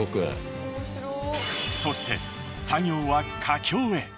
そして作業は佳境へ。